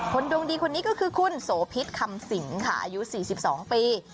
คนดวงดีคนนี้ก็คือคุณโสพิษคำสิงค่ะอายุสี่สิบสองปี